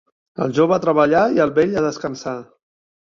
El jove a treballar i el vell a descansar.